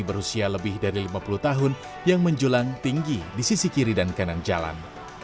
berusia lebih dari lima puluh tahun yang menjulang tinggi di sisi kiri dan kanan jalan